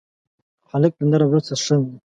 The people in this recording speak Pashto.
هلک د نرم زړه څښتن دی.